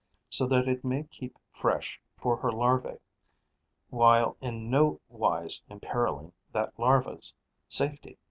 so that it may keep fresh for her larva, while in no wise imperilling that larva's safety?